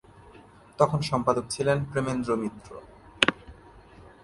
তখন সম্পাদক ছিলেন প্রেমেন্দ্র মিত্র।